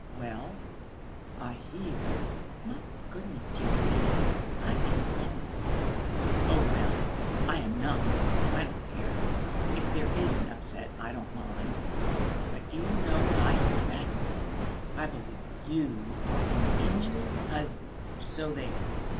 "Well, I hear." "My goodness! Young man, I am going." "Oh, well, I am not, then! I don't care. If there is an upset I don't mind! But do you know what I suspect? I believe you are an injured husband so there."